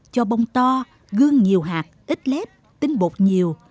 cho bông to gương nhiều hạt ít lép tinh bột nhiều